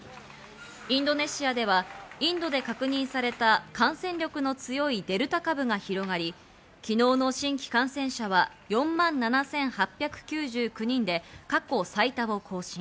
インドネシアではインドで確認された感染力の強いデルタ株が広がり、昨日の新規感染者は４万７８９９人で過去最多を更新。